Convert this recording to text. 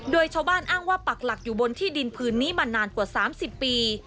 โดยชาวบ้านอ้างว่าปักหลักอยู่บนที่ดินผืนนี้มานานกว่า๓๐ปี